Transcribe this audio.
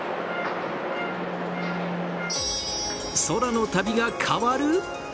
空の旅が変わる？